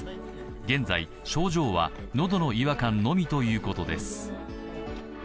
現在、症状は喉の違和感のみということです。